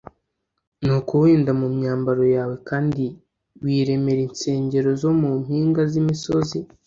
Nuko wenda mu myambaro yawe kandi wiremera insengero zo mu mpinga z’imisozi